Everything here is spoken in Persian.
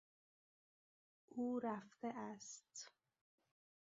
او رفته است.